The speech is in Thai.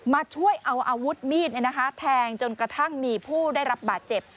มาช่วยเอาอาวุธมีดแทงจนกระทั่งมีผู้ได้รับบาดเจ็บ